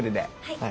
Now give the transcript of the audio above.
はい。